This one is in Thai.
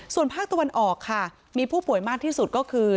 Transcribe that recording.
ส่วนภาคตะวันออกค่ะมีผู้ป่วยมากที่สุดก็คือ